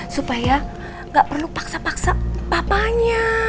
supaya nggak perlu paksa paksa papanya